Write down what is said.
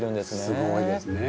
すごいですね。